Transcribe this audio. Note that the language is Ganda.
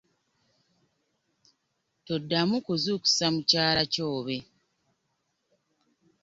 Toddamu kuzuukusa mukyala Kyobe.